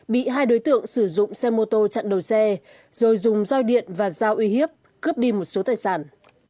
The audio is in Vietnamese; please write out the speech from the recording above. bị hai đối tượng sử dụng xe mô tô chặn đầu xe rồi dùng roi điện và dao uy hiếp cướp đi một số tài sản